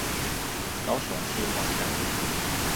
高雄市華夏路